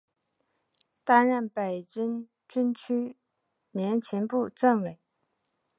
担任北京军区联勤部政委。